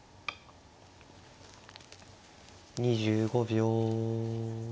２５秒。